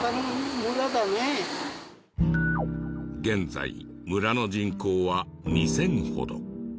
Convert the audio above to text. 現在村の人口は２０００ほど。